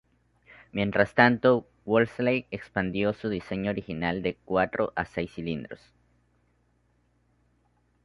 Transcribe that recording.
Mientras tanto, Wolseley expandió su diseño original de cuatro a seis cilindros.